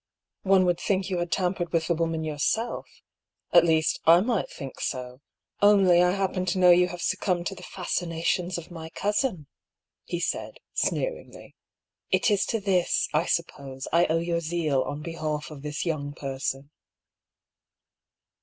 "One would think you had tampered with the woman yourself — at least, I might think so — only I happen to know you have succumbed to the fascina tions of my cousin," he said, sneeringly. " It is to this, I suppose, I owe your zeal on behalf of this young person."